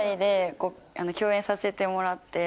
させてもらって。